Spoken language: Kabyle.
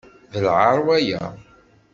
D lɛaṛ waya.